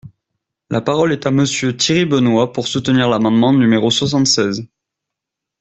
La parole est à Monsieur Thierry Benoit, pour soutenir l’amendement numéro soixante-seize.